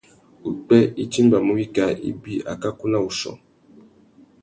Upwê i timbamú wikā ibi, akakú na wuchiô.